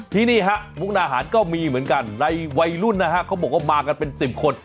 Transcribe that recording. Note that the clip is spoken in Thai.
ที่นี่ฮะมุกนาหารก็มีเหมือนกันในวัยรุ่นนะฮะเขาบอกว่ามากันเป็น๑๐คน